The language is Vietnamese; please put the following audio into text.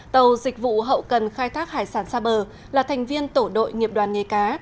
tàu dịch vụ hậu cần khai thác hải sản xa bờ là thành viên tổ đội nghiệp đoàn nghề cá